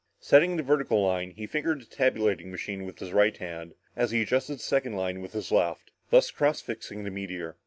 Setting the vertical line, he fingered a tabulating machine with his right hand, as he adjusted the second line with his left, thus cross fixing the meteor.